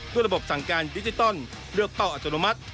เพื่อระบบสั่งการดิจิตอลเลือกเป้าอัตโนมัติ